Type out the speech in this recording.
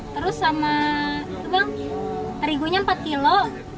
terus sama terigunya empat kilo